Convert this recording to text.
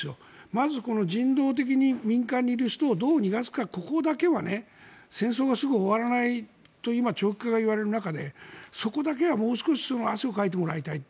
まずこの人道的に民間にいる人をどう逃がすか、ここだけは戦争がすぐ終わらないと今、長期化が言われる中でそこだけはもう少し汗をかいてもらいたい。